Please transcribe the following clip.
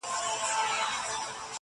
دا ارزښتمن شى په بټوه كي ساته_